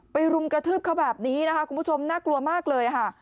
รุมกระทืบเขาแบบนี้นะคะคุณผู้ชมน่ากลัวมากเลยค่ะ